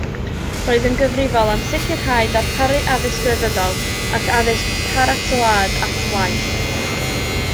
Roedd yn gyfrifol am sicrhau darparu addysg grefyddol ac addysg paratoad at waith.